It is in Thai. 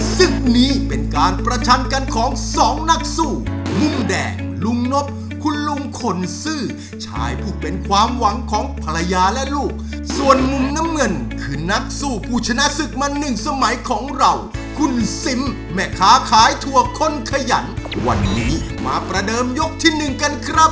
ศึกนี้เป็นการประชันกันของสองนักสู้มุมแดงลุงนบคุณลุงคนซื่อชายผู้เป็นความหวังของภรรยาและลูกส่วนมุมน้ำเงินคือนักสู้ผู้ชนะศึกมาหนึ่งสมัยของเราคุณซิมแม่ค้าขายถั่วคนขยันวันนี้มาประเดิมยกที่หนึ่งกันครับ